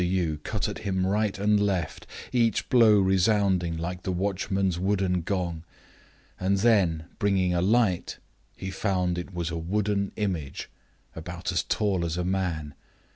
Yii cut at him right and left, each blow resounding like the watchman's wooden gong; 6 and then, bringing a light, he found it was a wooden image about as tall as a man.